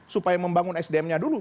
supaya membangun sdm nya dulu